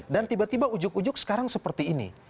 dan tiba tiba ujuk ujuk sekarang seperti ini